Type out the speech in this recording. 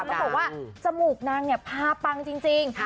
เขาบอกว่าจมูกนางเนี่ยพาปังจริง